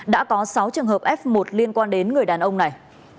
đã có sáu trường hợp f một liên quan đến người đàn ông này